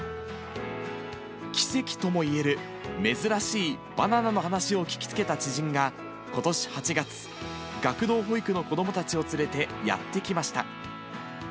奇跡ともいえる珍しいバナナの話を聞きつけた知人が、ことし８月、学童保育の子どもたちを連れてやって来ました。